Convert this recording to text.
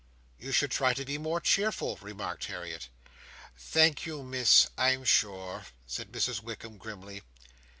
"You should try to be more cheerful," remarked Harriet. "Thank you, Miss, I'm sure," said Mrs Wickam grimly.